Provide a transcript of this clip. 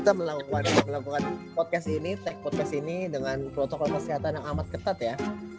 kita melakukan podcast ini take podcast ini dengan protokol kesehatan yang amat ketat ya